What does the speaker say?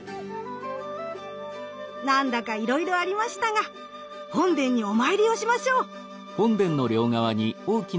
何だかいろいろありましたが本殿にお参りをしましょう。